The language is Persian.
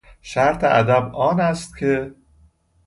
شرط ادب آن است که...